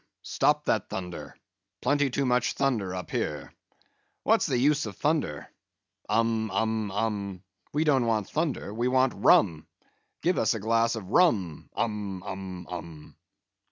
Stop that thunder! Plenty too much thunder up here. What's the use of thunder? Um, um, um. We don't want thunder; we want rum; give us a glass of rum. Um, um, um!"